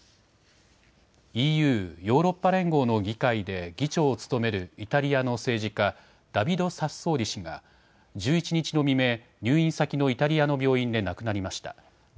ＥＵ・ヨーロッパ連合の議会で議長を務めるイタリアの政治家、ダビド・サッソーリ氏が、１１日の未明、入院先のイタリアの病院で亡くなりました。